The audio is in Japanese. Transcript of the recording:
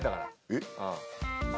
えっ。